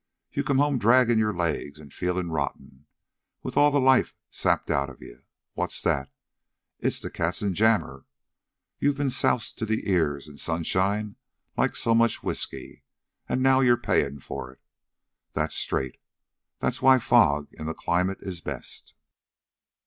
You go home draggin' your legs an' feelin' rotten, with all the life sapped outa you. What's that? It's the katzenjammer. You've been soused to the ears in sunshine, like so much whiskey, an' now you're payin' for it. That's straight. That's why fog in the climate is best."